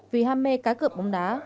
vì ham mê cá cựp bóng đá